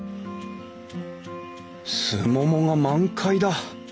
スモモが満開だ。